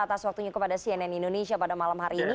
atas waktunya kepada cnn indonesia pada malam hari ini